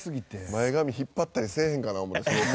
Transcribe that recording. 前髪引っ張ったりせえへんかな思って先生。